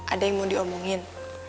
ada yang mau diomongin